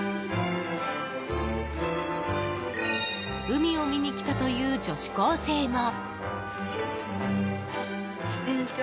海を見に来たという女子高生も。